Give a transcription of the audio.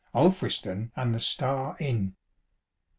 ŌĆö Alfriston and the "Star" Inn.